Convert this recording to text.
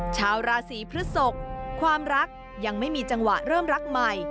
ชาวราศีพฤศกความรักยังไม่มีจังหวะเริ่มรักใหม่